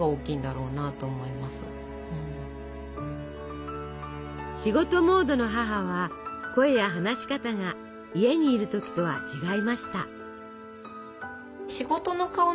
どんな仕事でもいいから仕事モードの母は声や話し方が家にいる時とは違いました。